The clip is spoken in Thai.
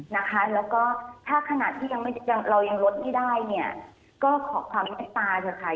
แล้วก็ถ้าขณะที่เรายังลดไม่ได้เนี่ยก็ขอความเม็ดตาเฉพาะค่ะ